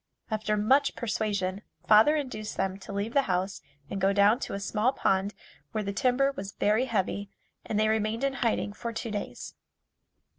After much persuasion, father induced them to leave the house and go down to a small pond where the timber was very heavy and they remained in hiding for two days.